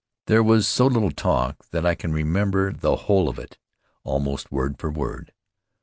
There was so little talk that I can remember the whole of it, almost word for word.